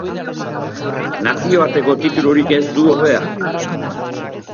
Nazio arteko titulurik ez du ordea.